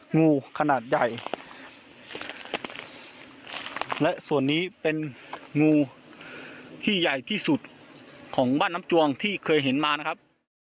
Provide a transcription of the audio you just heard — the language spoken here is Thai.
งูขนาดใหญ่และส่วนนี้เป็นงูที่ใหญ่ที่สุดของบ้านน้ำจวงที่เคยเห็นมานะครับ